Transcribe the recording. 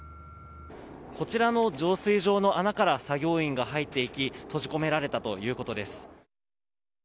こちらの浄水場の穴から作業員が入っていき閉じ込められたということです。